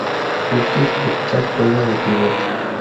Curtis Borchardt juega de pívot.